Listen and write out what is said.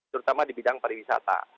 terutama di bidang pariwisata